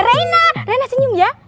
rena rena senyum ya